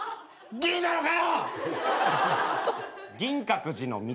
銀なのかよ！